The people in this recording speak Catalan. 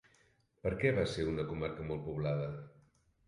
Per què va ser una comarca molt poblada?